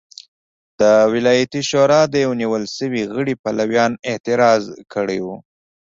د ولایتي شورا د یوه نیول شوي غړي پلویانو اعتراض کړی و.